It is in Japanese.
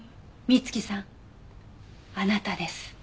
美月さんあなたです。